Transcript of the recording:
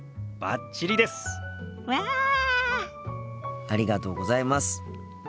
ありがとうございます。